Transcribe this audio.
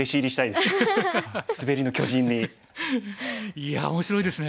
いや面白いですね。